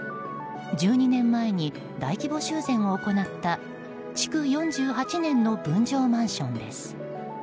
１２年前に大規模修繕を行った築４８年の分譲マンションです。